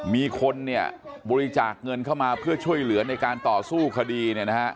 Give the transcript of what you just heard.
มีคนนี่บริจาคเงินเข้ามาเพื่อช่วยเหลือในการต่อสู้คดี